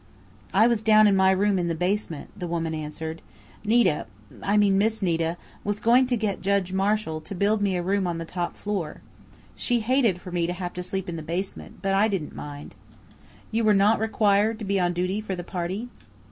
"I was down in my room in the basement," the woman answered. "Nita I mean Miss Nita was going to get Judge Marshall to build me a room on the top floor. She hated for me to have to sleep in the basement, but I didn't mind." "You were not required to be on duty for the party?"